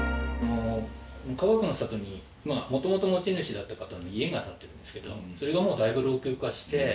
かがくの里に元々持ち主だった方の家が建ってるんですけどそれがもうだいぶ老朽化して。